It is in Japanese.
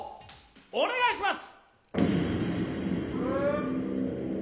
お願いします！